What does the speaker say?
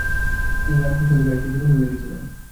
তিনি রামকৃষ্ণ দেবের একটি জীবনীও লিখেছিলেন।